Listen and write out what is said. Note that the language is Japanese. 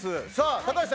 高橋さん